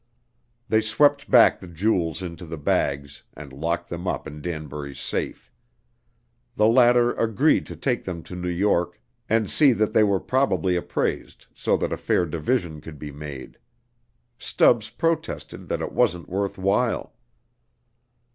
They swept back the jewels into the bags and locked them up in Danbury's safe. The latter agreed to take them to New York and see that they were properly appraised so that a fair division could be made. Stubbs protested that it wasn't worth while.